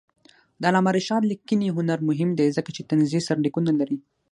د علامه رشاد لیکنی هنر مهم دی ځکه چې طنزي سرلیکونه لري.